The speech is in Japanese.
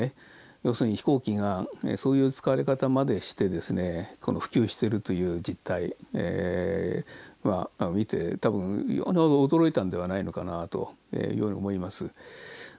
要するに飛行機がそういう使われ方までして普及してるという実態を見て多分非常に驚いたんではないのかなと思います。